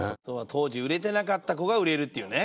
当時売れてなかった子が売れるっていうね。